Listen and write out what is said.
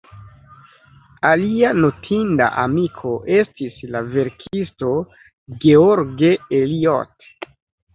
Alia notinda amiko estis la verkisto George Eliot.